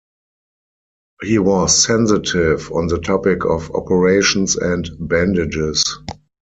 He was sensitive on the topic of operations and bandages.